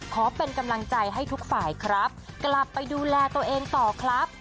ขอเป็นกำลังใจให้ทุกฝ่ายครับกลับไปดูแลตัวเองต่อครับ